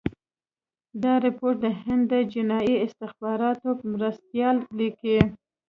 دا رپوټ د هند د جنايي استخباراتو مرستیال لیکلی.